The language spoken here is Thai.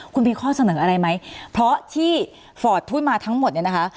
คุณมีข้อเสนออะไรไหมเพราะที่ฟอร์ตพูดมาทั้งหมดเนี่ยนะคะ